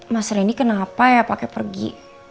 mas reni kenapa ya pake pergi